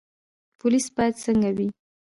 پولیس باید څنګه وي؟